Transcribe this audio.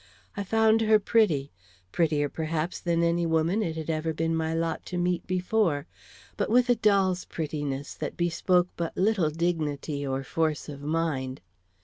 I found her pretty; prettier, perhaps, than any woman it had ever been my lot to meet before, but with a doll's prettiness that bespoke but little dignity or force of mind.